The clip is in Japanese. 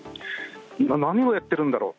何をやってるんだろう？